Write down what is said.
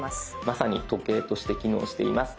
まさに時計として機能しています。